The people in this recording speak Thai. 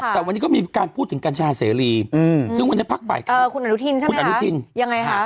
แต่วันนี้ก็มีการพูดถึงกัญชาเสรีซึ่งวันนี้พักไปคุณหนุทินใช่ไหมคะ